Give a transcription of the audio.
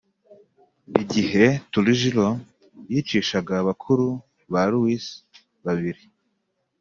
Igihe Trujillo Yicishaga Bakuru Ba Luis Babiri